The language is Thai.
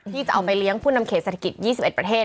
ที่จะเอาไปเลี้ยงผู้นำเขตเศรษฐกิจ๒๑ประเทศ